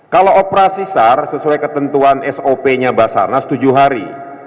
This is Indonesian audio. kalau operasi sar sesuai ketentuan sop nya basarnas tujuh hari